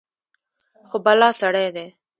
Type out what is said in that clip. خو بلا سړى دى.